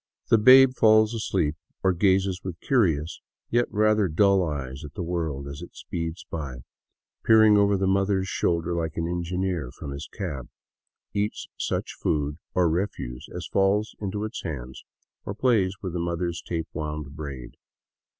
The babe falls asleep, or gazes with curious, yet rather dull, eyes at the world as it speeds by, peering over the mother's shoulder like an engineer from his cab, eats such food or refuse as falls into its hands, or plays with the mother's tape wound braid.